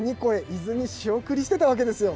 伊豆に仕送りしてたわけですよ。